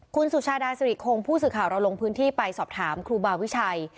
คุณสุชาดาสิริคงผู้สื่อข่าวเราลงพื้นที่ไปสอบถามครูบาวิชัย